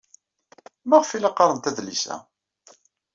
Maɣef ay la qqarent adlis-a?